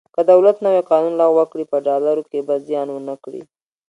که دولت نوی قانون لغوه کړي په ډالرو کې به زیان ونه کړي.